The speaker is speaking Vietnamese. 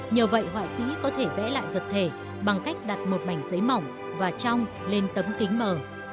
nhờ vậy họa sĩ có thể vẽ lại vật thể bằng cách đặt một mảnh giấy mỏng và trong lên tấm kính mở